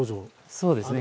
そうですね。